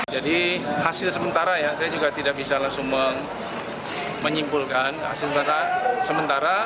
jadi hasil sementara ya saya juga tidak bisa langsung menyimpulkan hasil sementara